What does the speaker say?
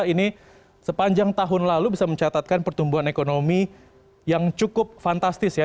ini sepanjang tahun lalu bisa mencatatkan pertumbuhan ekonomi yang cukup fantastis ya